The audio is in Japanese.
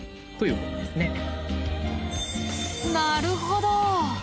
なるほど！